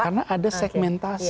karena ada segmentasi